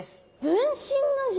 分身の術？